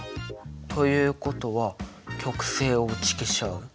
ということは極性を打ち消し合う？